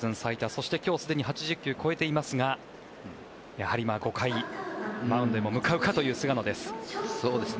そして今日すでに８０球を超えていますが５回、マウンドへ向かうかという菅野です。